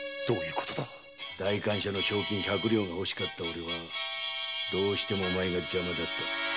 代官所の賞金がほしかったオレはどうしてもお前が邪魔だった。